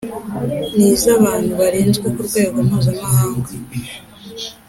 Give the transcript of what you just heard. n iz abantu barinzwe ku rwego mpuzamahanga